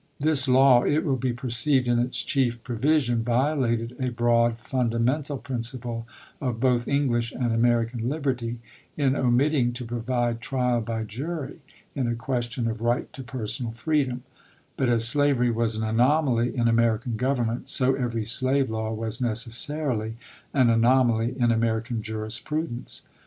This law it will be perceived in its chief provi sion violated a broad fundamental principle of both English and American liberty, in omitting to provide trial by jury in a question of right to personal freedom ; but as slavery was an anomaly in American government, so every slave law was necessarily an anomaly in American jurispru dence.